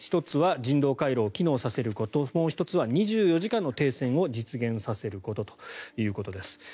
１つは人道回廊を機能させることもう１つは２４時間の停戦を実現させることということです。